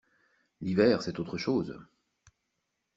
L’hiver, c’est autre chose.